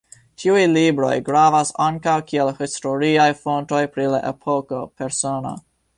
Tiuj libroj gravas ankaŭ kiel historiaj fontoj pri la epoko, persono.